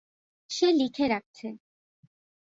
সে লিখে রাখছে।